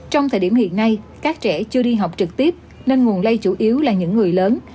trong thời điểm hiện nay các trẻ chưa đi học trực tiếp nên nguồn lây chủ yếu là những người lớn